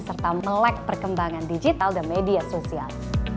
serta melek perkembangan digital dan media sosial